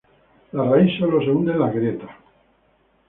La raíz solo se hunde en las grietas.